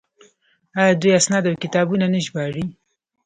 آیا دوی اسناد او کتابونه نه ژباړي؟